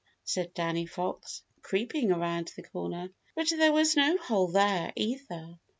said Danny Fox, creeping around the corner. But there was no hole there, either.